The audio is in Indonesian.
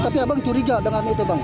tapi abang curiga dengan itu bang